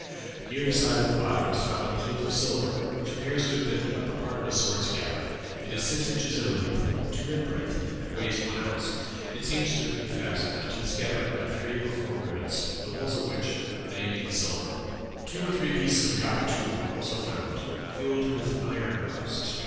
Near the side of the body was found a plate of silver, which appears to have been the upper part of a sword scabbard; it is six inches in length, two in breadth, and weighs one ounce. It seems to have been fastened to the scabbard by three or four rivets, the holes of which remain in the silver. "Two or three pieces of copper tube were also found, filled with iron rust.